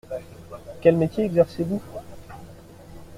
Quel métier exercez-vous ?